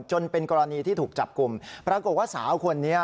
จนเป็นกรณีที่ถูกจับกลุ่มปรากฏว่าสาวคนนี้